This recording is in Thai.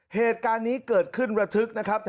เหตุการณ์นี้เกิดขึ้นระทึกนะครับ